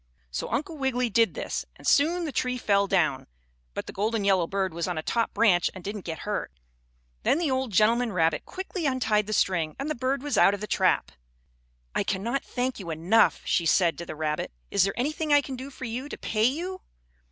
So Uncle Wiggily did this, and soon the tree fell down, but the golden yellow bird was on a top branch and didn't get hurt. Then the old gentleman rabbit quickly untied the string and the bird was out of the trap. "I cannot thank you enough!" she said to the rabbit. "Is there anything I can do for you to pay you?"